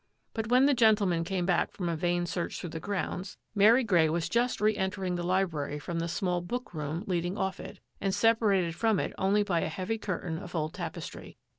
But when the gentlemen came back from a vain search through the grounds, Mary Grey was just 60 THAT AFFAIR AT THE MANOR re entering the library from the small book room leading off it, and separated from it only by a heavy curtain of old tapestry.